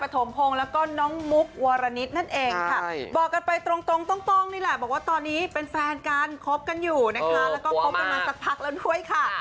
พบกันอยู่นะคะแล้วก็พบกันมาสักพักแล้วด้วยค่ะ